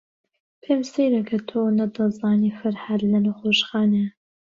پێم سەیرە کە تۆ نەتدەزانی فەرھاد لە نەخۆشخانەیە.